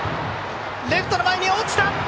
レフトの前に落ちた！